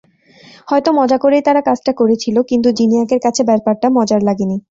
হয়তো মজা করেই তারা কাজটা করেছিল, কিন্তু জিনিয়াকের কাছে ব্যাপারটা মজার লাগেনি।